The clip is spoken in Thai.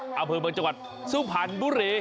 อเมืองเมืองจังหวัดซุภัณฑ์บุรี